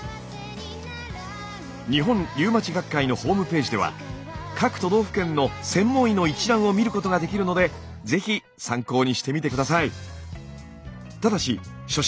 日本リウマチ学会のホームページでは各都道府県の専門医の一覧を見ることができるので是非参考にしてみて下さい。